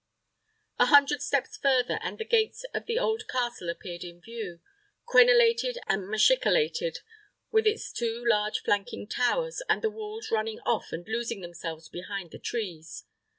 A hundred steps further, and the gates of the old castle appeared in view, crenelated and machicolated, with its two large flanking towers, and the walls running off and losing themselves behind the trees.